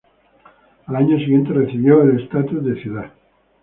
Al año siguiente, recibió el estatus de ciudad.